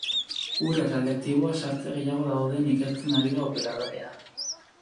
Ur erradiaktibo sartze gehiago dauden ikertzen ari da operadorea.